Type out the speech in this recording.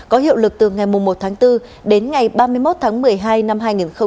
có hiệu lực từ ngày một tháng bốn đến ngày ba mươi một tháng một mươi hai năm hai nghìn hai mươi